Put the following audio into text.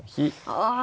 ああ！